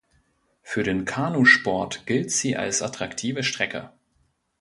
Für den Kanusport gilt sie als attraktive Strecke.